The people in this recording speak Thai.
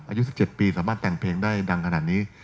อายุ๑๗ปีสามารถแต่งเพลงได้ดังขนาดนี้